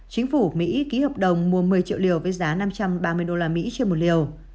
chính phủ mỹ ký hợp đồng mua một mươi triệu liều với giá năm trăm ba mươi usd trên một liều